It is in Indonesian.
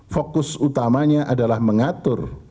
fokus utamanya adalah mengatur